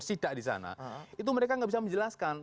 sidak disana itu mereka gak bisa menjelaskan